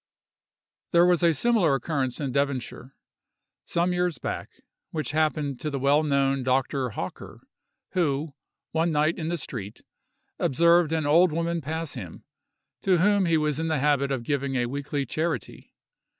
There was a similar occurrence in Devonshire, some years back, which happened to the well known Dr. Hawker, who, one night in the street, observed an old woman pass him, to whom he was in the habit of giving a weekly charity.